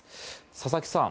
佐々木さん。